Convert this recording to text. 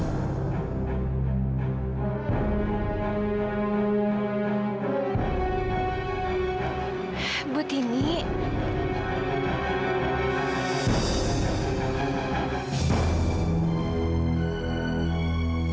mbak kamila disuruh tinggal di sini